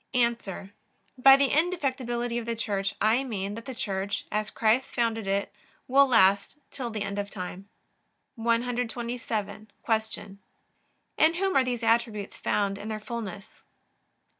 A. By the indefectibility of the Church I mean that the Church, as Christ founded it, will last till the end of time. 127. Q. In whom are these attributes found in their fullness?